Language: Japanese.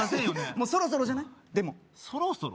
もうそろそろじゃない？でもそろそろ？